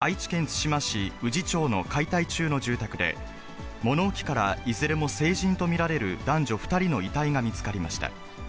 警察によりますと、きのう午後４時半ごろ、愛知県津島市宇治町の解体中の住宅で、物置から、いずれも成人と見られる男女２人の遺体が見つかりました。